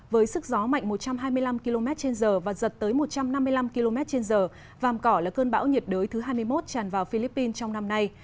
với sức gió mạnh một trăm hai mươi năm km trên giờ và giật tới một trăm năm mươi năm km trên giờ vàm cỏ là cơn bão nhiệt đới thứ hai mươi một tràn vào philippines trong năm nay